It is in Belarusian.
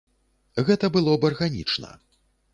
Гэта было б арганічна.